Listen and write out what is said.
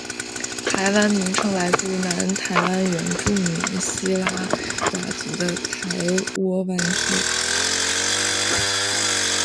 “台湾”名称来自于南台湾原住民西拉雅族的台窝湾社。